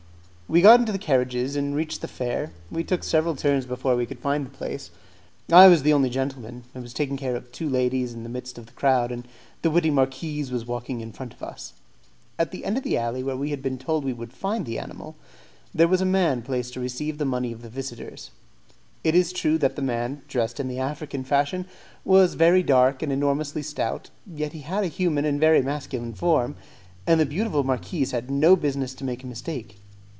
We got into the carriages, and reached the fair. We took several turns before we could find the place. I was the only gentleman; I was taking care of two ladies in the midst of the crowd, and the witty marquise was walking in front of us. At the end of the alley where we had been told that we would find the animal, there was a man placed to receive the money of the visitors. It is true that the man, dressed in the African fashion, was very dark and enormously stout, yet he had a human and very masculine form, and the beautiful marquise had no business to make a mistake.